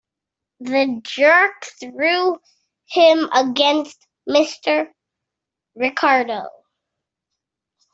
The jerk threw him against Mr. Ricardo.